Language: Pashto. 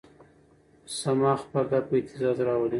صماخ پرده په اهتزاز راولي.